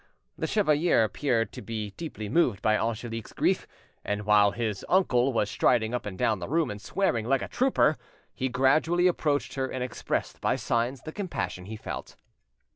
The chevalier appeared to be deeply moved by Angelique's grief, and while his, uncle was striding up and down the room and swearing like a trooper, he gradually approached her and expressed by signs the compassion he felt.